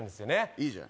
いいじゃん